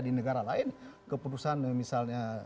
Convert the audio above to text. di negara lain keputusan misalnya